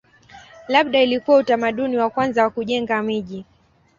Labda ilikuwa utamaduni wa kwanza wa kujenga miji.